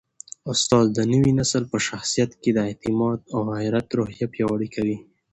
استاد د نوي نسل په شخصیت کي د اعتماد او غیرت روحیه پیاوړې کوي.